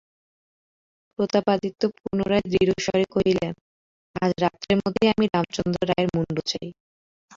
প্রতাপাদিত্য পুনরায় দৃঢ়স্বরে কহিলেন, আজ রাত্রের মধ্যেই আমি রামচন্দ্র রায়ের মুণ্ড চাই।